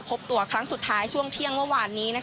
พบตัวครั้งสุดท้ายช่วงเที่ยงเมื่อวานนี้